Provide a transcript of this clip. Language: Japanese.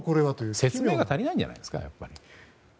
説明が足りないんじゃないですか。